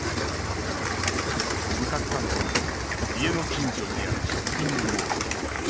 向かったのは家の近所にあるショッピングモール。